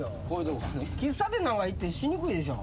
喫茶店なんか行ってしにくいでしょ。